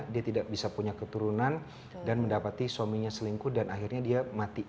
dia tidak bisa punya keturunan dan mendapati suaminya selingkuh dan akhirnya dia mati